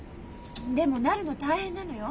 でもなるの大変なのよ。